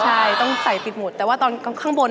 ใช่ต้องใส่ติดหมดแต่ว่าตอนข้างบน